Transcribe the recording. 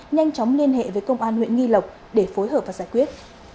nhanh chóng liên hệ với công an huyện nghi lộc để phối hợp và giải quyết